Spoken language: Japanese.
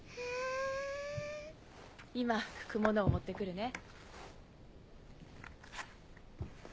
今拭くものを持って来るね。